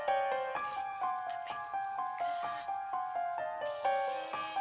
eh apa itu